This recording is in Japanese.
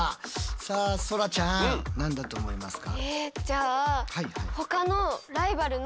さあそらちゃん何だと思いますか？